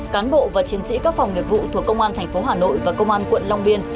cán bộ và chiến sĩ các phòng nghiệp vụ thuộc công an thành phố hà nội và công an quận long biên